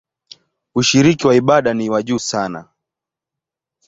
Ushiriki wa ibada ni wa juu sana.